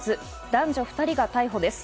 男女２人が逮捕です。